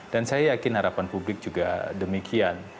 dan saya yakin harapan publik juga demikian